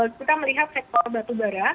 kita melihat sektor batubara